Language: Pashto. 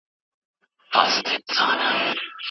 نه له شیخه څوک ډاریږي نه غړومبی د محتسب وي